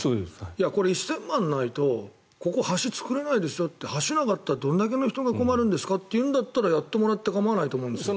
これ１０００万ないとここに橋作れないですよって橋がなかったらどれだけの人が困るんですかっていうんだったらやってもらっていいと思うんですよ。